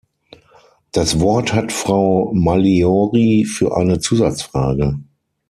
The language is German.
Das Wort hat Frau Malliori für eine Zusatzfrage.